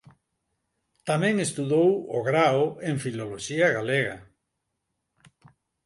Tamén estudou o Grao en Filoloxía galega.